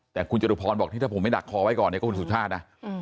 แต่คุณจตุพรบอกถ้าผมไม่ดักคอไว้ก่อนก็คุณสุธาตรนะ